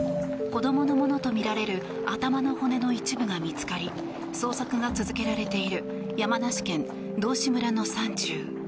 子供のものとみられる頭の骨の一部が見つかり捜索が続けられている山梨県道志村の山中。